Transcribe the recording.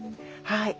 はい。